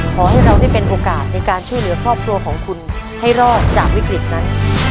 ขอให้เราได้เป็นโอกาสในการช่วยเหลือครอบครัวของคุณให้รอดจากวิกฤตนั้น